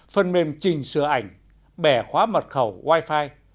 phần mềm trình sửa ảnh bẻ khóa mật khẩu wifi